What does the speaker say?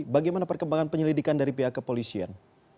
bagaimana perkembangan penyelidikan dari pihak kepolisian